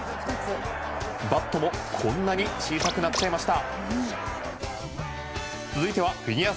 バットもこんなに小さくなっちゃいました。